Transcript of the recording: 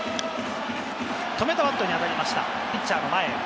止めたバットに当たりました、ピッチャーの前。